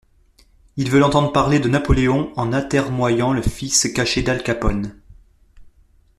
Ils veulent entendre parler de Napoléon en atermoyant le fils caché d'Al Capone.